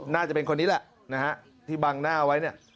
น่าจะเป็นคนนี้แหละที่บังหน้าไว้